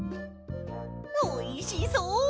おいしそう！